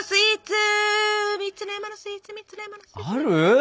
ある？